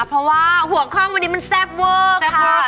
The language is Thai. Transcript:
เพราะว่าหัวข้องวันนี้มันแซ่บเวอร์ค่ะ